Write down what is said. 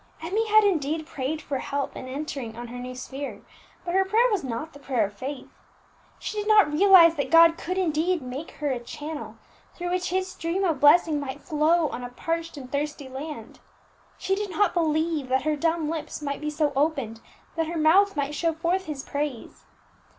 Emmie had indeed prayed for help in entering on her new sphere, but her prayer was not the prayer of faith. She did not realize that God could indeed make her a channel through which His stream of blessing might flow on a parched and thirsty land. She did not believe that her dumb lips might be so opened that her mouth might show forth His praise.